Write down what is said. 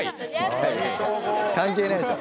関係ないでしょ？